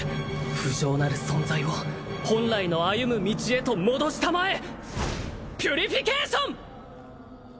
不浄なる存在を本来の歩む道へと戻し給えピュリフィケイション！